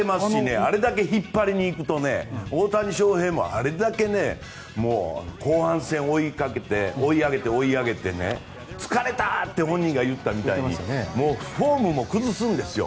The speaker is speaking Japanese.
あれだけ引っ張りに行くと大谷翔平も後半戦、追い上げて追い上げて疲れたって本人が言ったみたいにフォームも崩すんですよ。